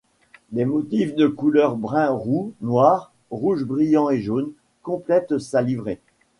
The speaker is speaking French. Des motifs de couleur brun roux, noir, rouge brillant et jaune, complète sa livrée.